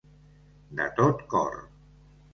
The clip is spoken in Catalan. De tot cor.